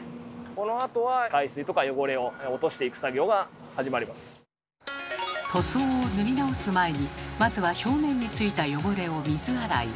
このあとは塗装を塗り直す前にまずは表面についた汚れを水洗い。